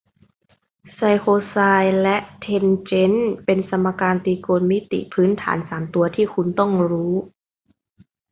ไซน์โคไซน์และแทนเจนต์เป็นสมการตรีโกณมิติพื้นฐานสามตัวที่คุณต้องรู้